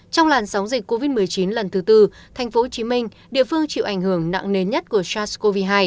trong làn sóng dịch covid một mươi chín lần thứ tư tp hcm địa phương chịu ảnh hưởng nặng nề nhất của sars cov hai